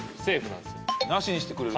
なしにしてくれる。